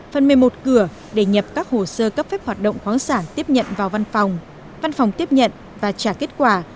phần mềm một cửa để nhập các hồ sơ cấp phép hoạt động quán sản tiếp nhận vào văn phòng văn phòng tiếp nhận và trả kết quả